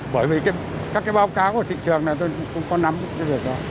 bởi vì các cái báo cáo của thị trường này tôi cũng không có nắm được cái việc đó